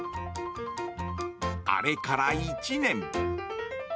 あれから１年。